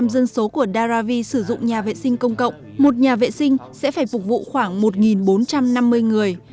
một mươi dân số của daravi sử dụng nhà vệ sinh công cộng một nhà vệ sinh sẽ phải phục vụ khoảng một bốn trăm năm mươi người